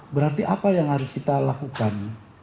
berarti apa yang harus kita lakukan